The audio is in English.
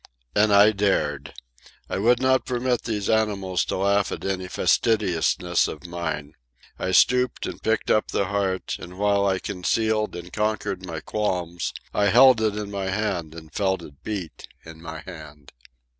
And I dared. I would not permit these animals to laugh at any fastidiousness of mine. I stooped and picked up the heart, and while I concealed and conquered my qualms I held it in my hand and felt it beat in my hand.